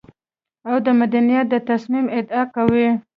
او د مدنيت د تصميم ادعا کوي.